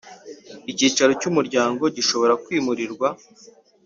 Icyicaro cy Umuryango gishobora kwimurirwa